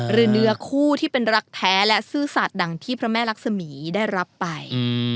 เนื้อคู่ที่เป็นรักแท้และซื่อสัตว์ดังที่พระแม่รักษมีได้รับไป